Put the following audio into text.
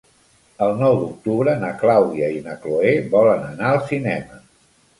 El nou d'octubre na Clàudia i na Cloè volen anar al cinema.